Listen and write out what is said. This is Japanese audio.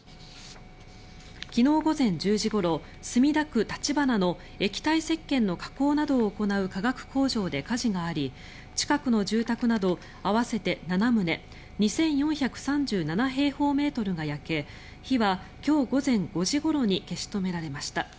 昨日午前１０時ごろ墨田区立花の液体せっけんの加工などを行う化学工場で火事があり近くの住宅など合わせて７棟２４３７平方メートルが焼け火は今日午前５時ごろに消し止められました。